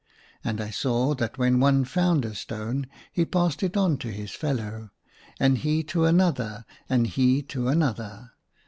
And I saw that when one found a stone he passed it on to his fellow, and he to another, and he to another.